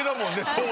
［そう。